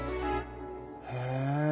へえ。